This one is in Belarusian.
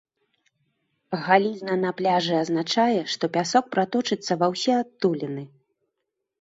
Галізна на пляжы азначае, што пясок праточыцца ва ўсе адтуліны.